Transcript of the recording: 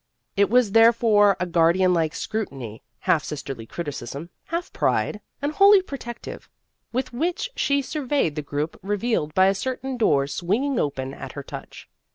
It was therefore a guardian like scrutiny half sisterly criticism, half pride, and wholly protective with which she sur veyed the group revealed by a certain door swinging open at her touch.